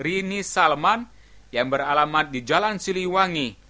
yesus mau datang segera